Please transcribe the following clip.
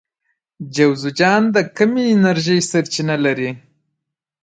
جوزجان د کومې انرژۍ سرچینه لري؟